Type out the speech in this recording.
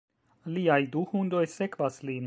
Liaj du hundoj sekvas lin.